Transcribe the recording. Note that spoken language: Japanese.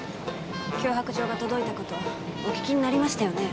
脅迫状が届いた事お聞きになりましたよね。